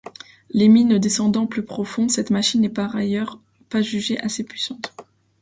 Les mines descendant plus profond, cette machine n'est par ailleurs pas jugée assez puissante.